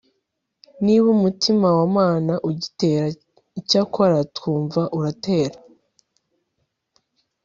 niba umutima wa mana ugitera icyakora twumva uratera